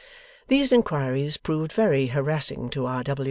These inquiries proved very harassing to R.